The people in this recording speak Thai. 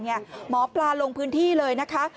หมอปลาลงพื้นที่เลยนะคะ